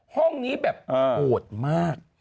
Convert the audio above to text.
ห้องนี้แบบโหดมาก